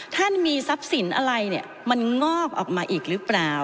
ท่านมีทรัพย์สินอะไรเนี่ยมันงอกออกมาอีกหรือเปล่า